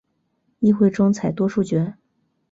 议会中采多数决。